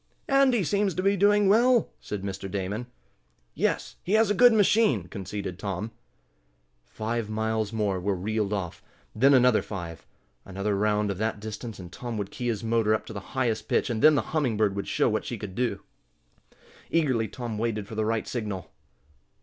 "Andy seems to be doing well," said Mr. Damon. "Yes, he has a good machine," conceded Tom. Five miles more were reeled off. Then another five. Another round of that distance and Tom would key his motor up to the highest pitch, and then the Humming Bird would show what she could do. Eagerly Tom waited for the right signal.